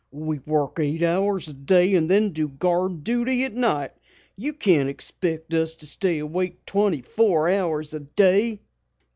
"We work eight hours a day and then do guard duty at night. You can't expect us to stay awake twenty four hours a day!"